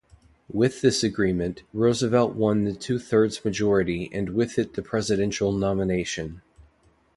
With this agreement, Roosevelt won the two-thirds majority and with it the presidential nomination.